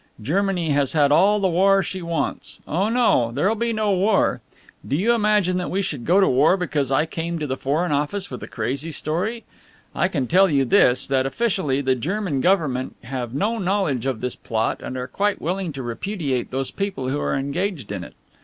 Germany has had all the war she wants. Oh no, there'll be no war. Do you imagine that we should go to war because I came to the Foreign Office with a crazy story. I can tell you this, that officially the German Government have no knowledge of this plot and are quite willing to repudiate those people who are engaged in it.